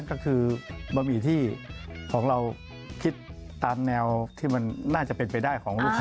ก็คือบะหมี่ที่ของเราคิดตามแนวที่มันน่าจะเป็นไปได้ของลูกค้า